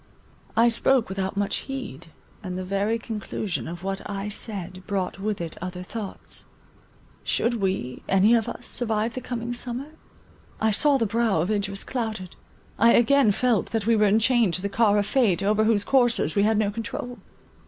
I spoke without much heed, and the very conclusion of what I said brought with it other thoughts. Should we, any of us, survive the coming summer? I saw the brow of Idris clouded; I again felt, that we were enchained to the car of fate, over whose coursers we had no control.